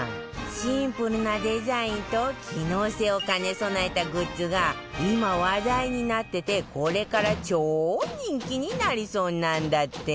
シンプルなデザインと機能性を兼ね備えたグッズが今話題になっててこれから超人気になりそうなんだって